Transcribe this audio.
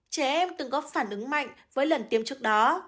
trẻ em từng góp phản ứng mạnh với lần tiêm trước đó